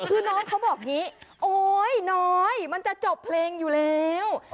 คือน้องเขาบอกอย่างนี้โอ๊ยน้อยมันจะจบเพลงอยู่แล้ว